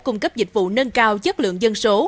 cung cấp dịch vụ nâng cao chất lượng dân số